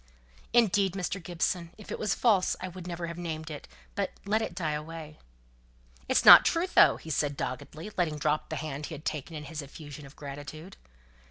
"Indeed, Mr. Gibson, if it was false I would never have named it, but let it die away." "It's not true, though!" said he, doggedly, letting drop the hand he had taken in his effusion of gratitude.